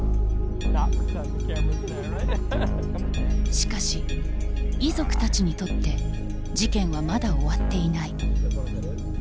しかし遺族たちにとって事件はまだ終わっていない。